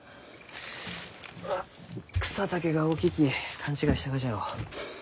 あ草丈が大きいき勘違いしたがじゃろう。